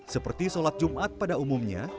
seperti sholat jumat pada umumnya